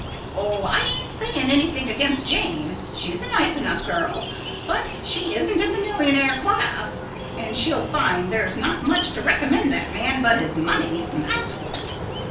"Oh, I ain't saying anything against Jane. She's a nice enough girl. But she isn't in the millionaire class, and you'll find there's not much to recommend that man but his money, that's what.